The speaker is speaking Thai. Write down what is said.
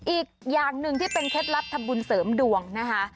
อีกอย่างหนึ่งที่เป็นเคล็ดลับทำบุญเสริมดวงนะคะ